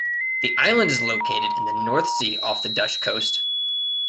The island is located in the North Sea off the Dutch coast.